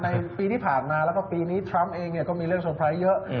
ในปีที่ผ่านมาแล้วก็ปีนี้ทรัมป์เองก็มีเรื่องเซอร์ไพรส์เยอะ